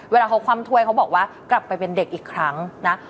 เวลาเขาคว่ำถ้วยเขาบอกว่ากลับไปเป็นเด็กอีกครั้งนะ